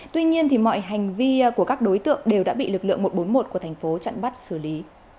tuy nhiên mọi hành vi của các đối tượng đều đã bị lực lượng một trăm bốn mươi một của thành phố chặn bắt xử lý